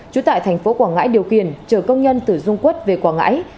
trú tại thành phố quảng ngãi điều khiển chở công nhân từ dung quốc về quảng ngãi